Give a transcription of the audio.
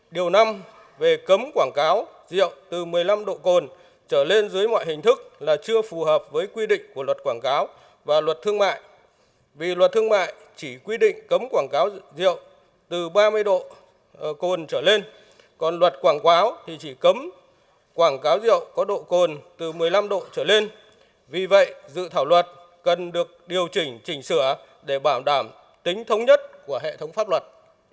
điều năm về cấm quảng cáo rượu từ một mươi năm độ cồn trở lên dưới mọi hình thức là chưa phù hợp với quy định của luật quảng cáo và luật thương mại vì luật thương mại chỉ quy định cấm quảng cáo rượu từ ba mươi độ cồn trở lên còn luật quảng cáo thì chỉ cấm quảng cáo rượu có độ cồn từ một mươi năm độ trở lên vì vậy dự thảo luật cần được điều chỉnh chỉnh sửa để bảo đảm tính thống nhất của hệ thống pháp luật